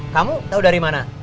kamu tahu dari mana